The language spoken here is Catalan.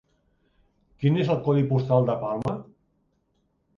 Quin és el codi postal de Palma?